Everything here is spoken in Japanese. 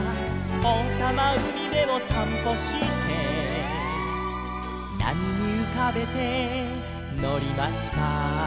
「おうさまうみべをさんぽして」「なみにうかべてのりました」